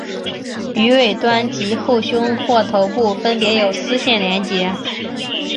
于尾端及后胸或头部分别有丝线连结。